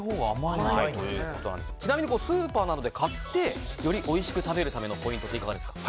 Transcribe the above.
スーパーなどで買ってよりおいしく食べるためのポイントっていかがですか？